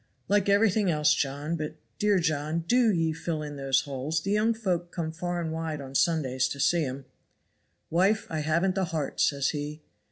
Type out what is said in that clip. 'Like everything else, John; but, dear John, do ye fill in those holes; the young folk come far and wide on Sundays to see them.' "'Wife, I haven't the heart,' says he.